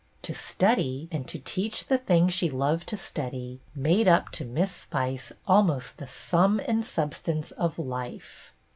To study, and to teach the thing she loved to study, made up to Miss Spice almost the sum and substance of life.